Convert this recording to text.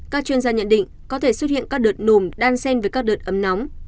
các chuyên gia nhận định có thể xuất hiện các đợt nùm đan sen với các đợt ấm nóng